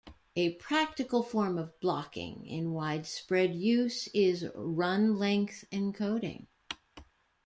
A practical form of blocking, in widespread use, is run-length encoding.